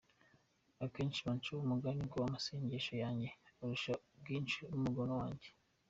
Akenshi bancaho umugani, ko amasengesho yanjye arushwa ubwinshi n’umugono wanjye.